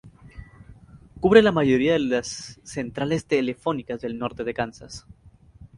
Cubre la mayoría de las centrales telefónicas del norte de Kansas.